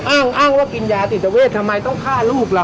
อ้างว่ากินยาจิตเวททำไมต้องฆ่าลูกล่ะ